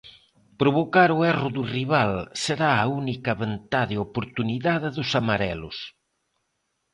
Provocar o erro do rival será a única ventá de oportunidade dos amarelos.